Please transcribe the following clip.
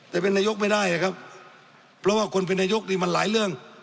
แต่เป็นนายกไม่ได้นะครับเพราะว่าคนเป็นนายกนี่มันหลายเรื่อง